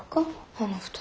あの２人。